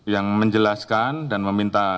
yang menjelaskan dan meminta